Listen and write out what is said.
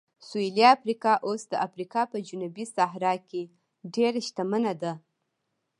سویلي افریقا اوس د افریقا په جنوبي صحرا کې ډېره شتمنه ده.